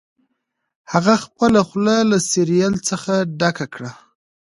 هغه خپله خوله له سیریل څخه ډکه کړه